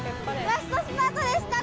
ラストスパート！